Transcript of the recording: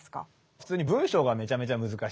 普通に文章がめちゃめちゃ難しい。